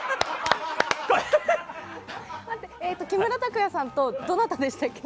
木村拓哉さんとどなたでしたっけ。